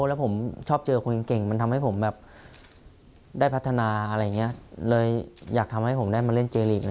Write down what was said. และผมชอบเจอคนเก่ง